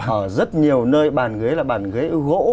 ở rất nhiều nơi bàn ghế là bàn ghế gỗ